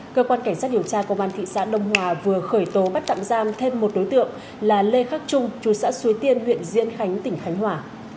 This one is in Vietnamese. cơ quan cảnh sát điều tra công an thị xã đông hòa vừa khởi tố bắt tạm giam thêm một đối tượng là lê khắc trung chú xã suối tiên huyện diễn khánh tỉnh khánh hòa